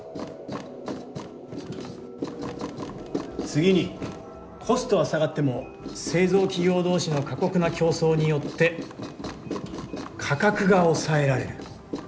次にコストは下がっても製造企業同士の過酷な「競争」によって価格が抑えられる。